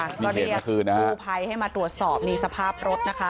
ก็เรียกกู้ภัยให้มาตรวจสอบนี่สภาพรถนะคะ